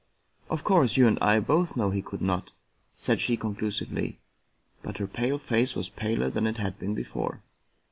" Of course you and I both know he could not," said she con clusively, but her pale face was paler than it had been before.